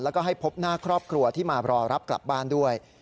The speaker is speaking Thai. แล้วก็ให้พบหน้าครอบครัวที่มารอรับกลับบ้านด้วย